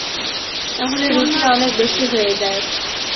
তাহলে, রুটি অনেক বেশি হয়ে যায়।